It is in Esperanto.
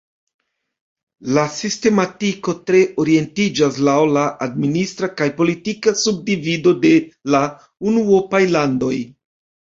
La sistematiko tre orientiĝas laŭ la administra kaj politika subdivido de la unuopaj landoj.